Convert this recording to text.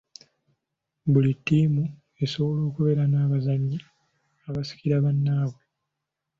Buli ttiimu esobola okubeera n'abazannyi abasikira bannaabwe.